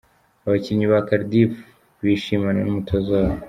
Abakinnyi ba Cardiff bishimana n’umutoza wabo.